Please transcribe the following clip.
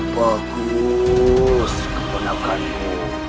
bagus keponakan ku